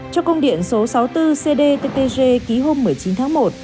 cho công điện số sáu mươi bốn cdttg ký hôm một mươi chín tháng một